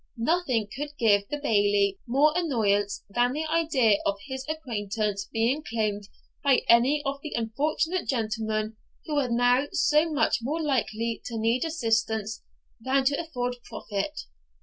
Nothing could give the Bailie more annoyance than the idea of his acquaintance being claimed by any of the unfortunate gentlemen who were now so much more likely to need assistance than to afford profit.